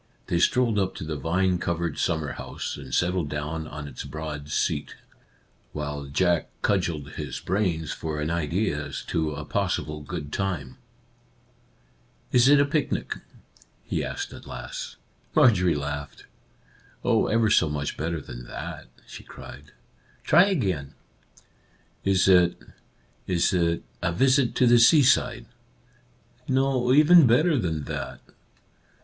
They strolled up to the vine covered sum mer house, and settled down on its broad seat, while Jack cudgelled his brains for an idea as to a possible good time. 4 Our Little Canadian Cousin " Is it a picnic ?" he asked at last. Marjorie laughed. " Oh, ever so much better than that," she cried. " Try again." " Is it — is it — a visit to the seaside ?"" No ; even better than that."